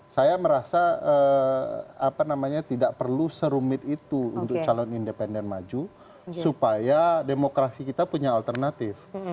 saya merasa tidak perlu serumit itu untuk calon independen maju supaya demokrasi kita punya alternatif